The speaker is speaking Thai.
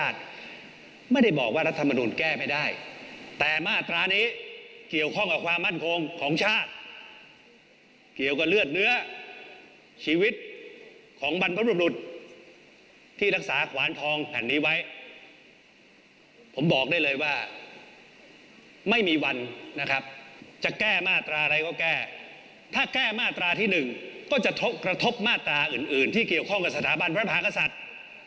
ถ้าแก้มาตราที่หนึ่งก็จะกระทบมาตราอื่นที่เกี่ยวข้องกับสถาบันพระมหากศัตริย์